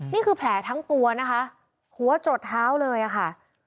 นี่คือแผลทั้งตัวนะคะหัวจดเท้าเลยอะค่ะ